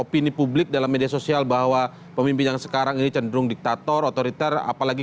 opini publik dalam media sosial bahwa pemimpin yang sekarang ini cenderung diktator otoriter apalagi